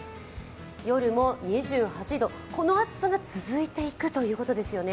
夜も２８度、この暑さが続いていくということですよね。